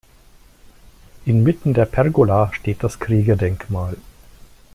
Inmitten der Pergola steht das Kriegerdenkmal.